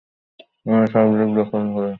আমরা সবদিক দখল করে নিয়েছি।